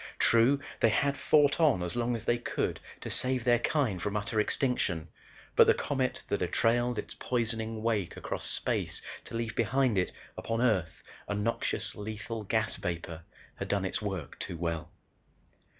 True they had fought on as long as they could to save their kind from utter extinction but the comet that had trailed its poisoning wake across space to leave behind it, upon Earth, a noxious, lethal gas vapor, had done its work too well."